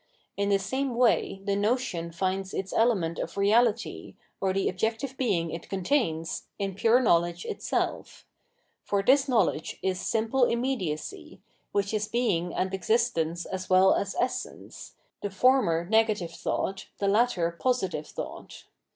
In the same way the notion finds its element of reality, or the objective being it contains, in pure knowledge itself for this knowledge is simple immediacy, which is being and existence as well ^ as essence, the former negative thought, the latter positive thought.